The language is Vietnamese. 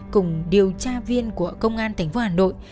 cùng điều tra viên của công an thành phố hà nội